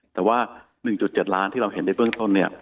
แต่ว่า๑๗ล้านที่เราเห็นในเบื้องต้นเนี่ย